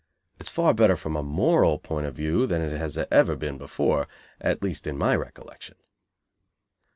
It is far better, from a moral point of view than it has ever been before; at least, in my recollection.